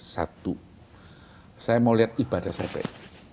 satu saya mau lihat ibadah saya baik